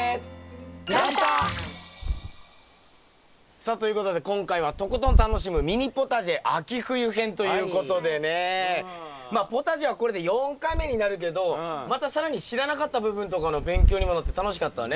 さあということで今回は「とことん楽しむミニポタジェ秋冬編」ということでねまあポタジェはこれで４回目になるけどまた更に知らなかった部分とかの勉強にもなって楽しかったね。